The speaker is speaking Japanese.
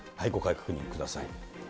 ご確認ください。